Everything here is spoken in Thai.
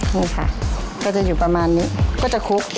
นี่ค่ะก็จะอยู่ประมาณนี้ก็จะคลุก